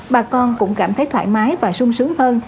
bà con cũng cảm thấy thoải mái và sung sướng hơn